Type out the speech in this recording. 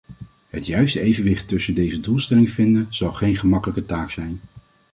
Het juiste evenwicht tussen deze doelstellingen vinden, zal geen gemakkelijke taak zijn.